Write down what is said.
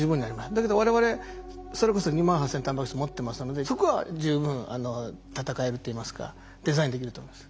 だけど我々それこそ２万８，０００のタンパク質持ってますのでそこは十分闘えるといいますかデザインできると思います。